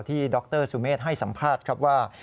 ดรสุเมฆให้สัมภาษณ์ครับว่า